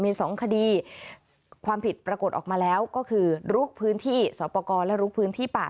มีสองคดีความผิดปรากฏออกมาแล้วก็คือลุกพื้นที่สอบประกอบและลุกพื้นที่ป่า